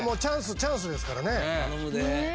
チャンスですからね。